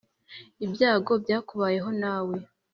ibyago byakubaho nawe